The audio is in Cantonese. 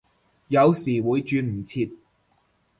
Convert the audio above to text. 有時會轉唔切